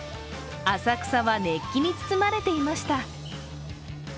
浅草は熱気に包まれていました。